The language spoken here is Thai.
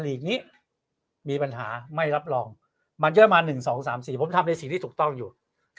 ลีกนี้มีปัญหาไม่รับรองมันเยอะมา๑๒๓๔ผมทำในสิ่งที่ถูกต้องอยู่